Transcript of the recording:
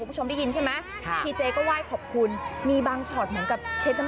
ต้องกลัวว่าพี่คนที่ไม่มีสติก็คือคนที่แต่งหญิงใช่ไหม